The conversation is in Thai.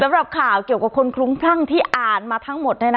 สำหรับข่าวเกี่ยวกับคนคลุ้มคลั่งที่อ่านมาทั้งหมด